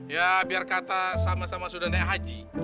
ya biar kata sama sama sudah naik haji